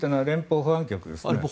連邦保安局ですね。